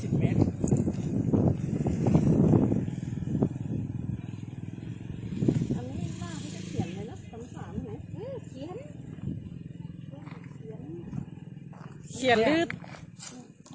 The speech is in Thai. ผมก็ดูเขาวัดสิกว่า